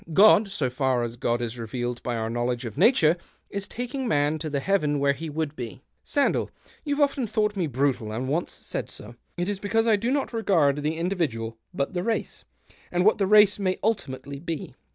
God, so far as God is revealed by our knowledge of Nature, is taking man ' to the haven where he would be.' Sandell, you've often thought me brutal, and once said so. It is because I do not regard the individual, but the race, and what the race may ultimately be.